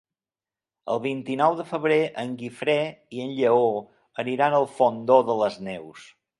El vint-i-nou de febrer en Guifré i en Lleó aniran al Fondó de les Neus.